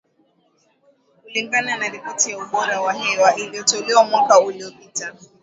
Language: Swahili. Kulingana na ripoti ya ubora wa hewa iliyotolewa mwaka uliopita.